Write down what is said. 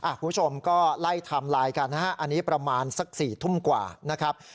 คุณผู้ชมก็ไล่ไทม์ไลน์กันนะฮะอันนี้ประมาณสัก๔ทุ่มกว่านะครับ